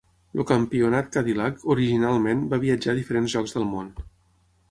El campionat Cadillac originalment va viatjar a diferents llocs del món.